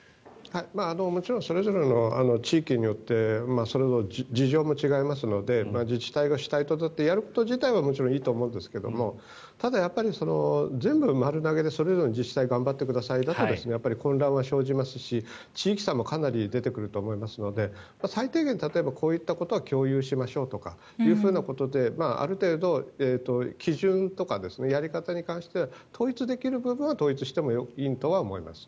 もちろんそれぞれの地域によってそれぞれ事情も違いますので自治体が主体となってやること自体はもちろんいいと思うんですがただ、やっぱり全部丸投げでそれぞれの自治体頑張ってください打と混乱は生じますし、地域差もかなり出てくると思いますので最低限、例えばこういったことは共有しましょうということである程度、基準とかやり方に関しては統一できる部分は統一していいと思います。